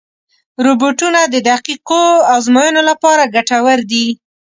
روبوټونه د دقیقو ازموینو لپاره ګټور دي.